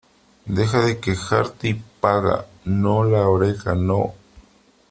Deja de quejarte y paga . No , la oreja no .